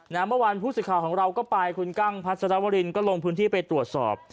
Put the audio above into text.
แล้วเมื่อวันพูดสิทธิ์ข่าวของเราก็ไปคุณกั้งพัฒนาวรินก็ลงพื้นที่ไปตรวจสอบ